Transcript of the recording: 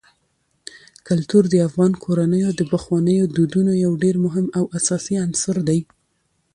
کلتور د افغان کورنیو د پخوانیو دودونو یو ډېر مهم او اساسي عنصر دی.